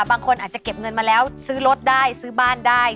บางคนอาจจะเก็บเงินมาแล้วซื้อรถได้ซื้อบ้านได้